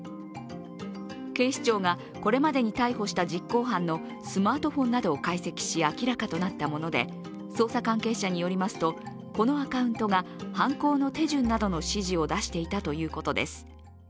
警視庁が、これまでに逮捕した実行犯のスマートフォンなどを解析し明らかとなったもので、捜査関係者によりますと、このアカウントが犯行の手順などの指示を出していたということです。